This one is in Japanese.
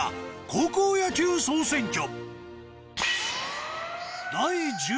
高校野球総選挙。